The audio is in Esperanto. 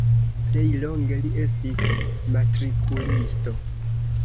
Plej longe li estis matrikulisto.